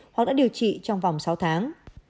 hoặc đã điều trị trong vòng sáu tháng